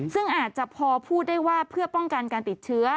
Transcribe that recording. ซึ่งอาจจะพอพูดได้ว่าเพื่อป้องกันการติดเชื้อ